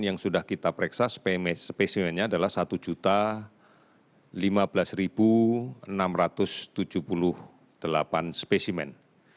yang sudah kita pereksa spesimennya adalah satu lima belas enam ratus tujuh puluh delapan spesimen